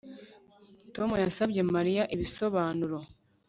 Tom yasabye Mariya ibisobanuro